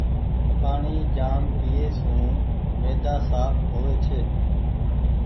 پآڻيٚ جآم پيئي سون ميدآ سآڦ هووي ڇي۔